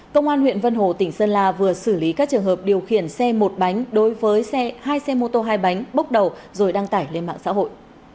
công an huyện vân hồ tỉnh sơn la vừa xử lý các trường hợp điều khiển xe một bánh đối với hai xe mô tô hai bánh bốc đầu rồi đăng tải lên mạng xã hội